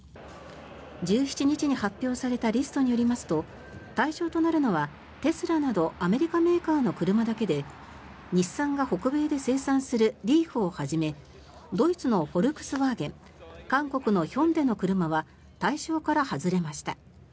１７日に発表されたリストによりますと対象となるのは、テスラなどアメリカメーカーの車だけで日産が北米で生産するリーフをはじめドイツのフォルクスワーゲン韓国のヒョンデの車は対象から外れました。